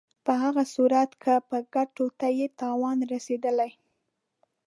په هغه صورت کې به ګټو ته یې تاوان رسېدلی.